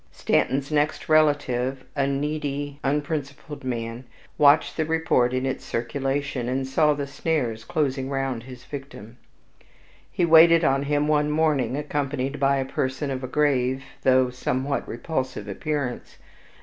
Stanton's next relative, a needy unprincipled man, watched the report in its circulation, and saw the snares closing round his victim. He waited on him one morning, accompanied by a person of a grave, though somewhat repulsive appearance.